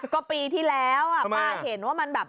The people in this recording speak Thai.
ก็ปีที่แล้วป้าเห็นว่ามันแบบ